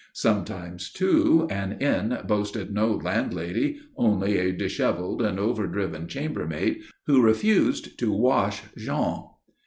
Sometimes, too, an inn boasted no landlady, only a dishevelled and over driven chambermaid, who refused to wash Jean.